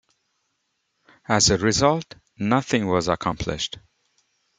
As a result, nothing was accomplished.